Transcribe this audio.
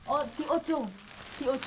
oh di balance